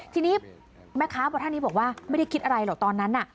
ทีนี้แม่ค้าบอกท่านนี้บอกว่าไม่ได้คิดอะไรหรอกตอนนั้น